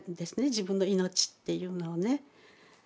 自分の命っていうのをね。